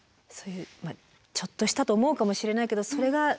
そういうちょっとしたと思うかもしれないけどそれが。